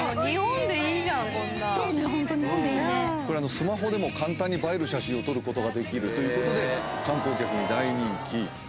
スマホでも簡単に映える写真を撮ることができるということで観光客に大人気。